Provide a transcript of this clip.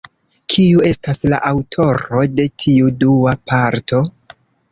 Kiu estas la aŭtoro de tiu dua parto?